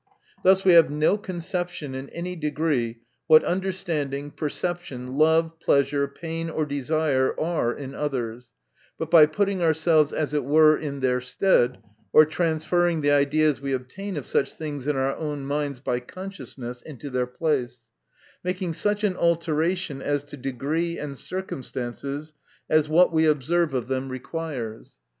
Thus, we have no conception in any degree, what under standing, perception, love, pleasure, pain, or desire are in others, but by putting ourselves as it were in their stead, or transferring the u'eas we obtain of such things in our own minds by consciousness, into their place ; making such an alteration, as to degree and circumstances, as what wr >bserve of them requires.